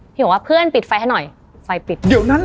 พี่ก็บอกว่าเพื่อนปิดไฟให้หน่อยไฟปิด